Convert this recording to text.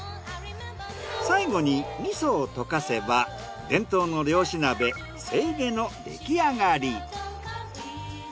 最後に味噌を溶かせば伝統の漁師鍋せいげの出来上がり。